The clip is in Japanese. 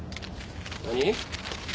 何？